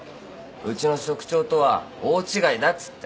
うちの職長とは大違いだっつって。